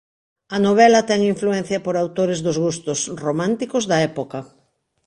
A novela ten influencia por autores dos gustos románticos da época.